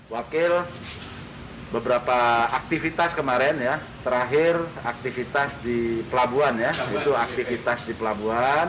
wakil beberapa aktivitas kemarin ya terakhir aktivitas di pelabuhan ya itu aktivitas di pelabuhan